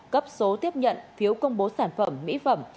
cấp số tiếp nhận phiếu công bố sản phẩm mỹ phẩm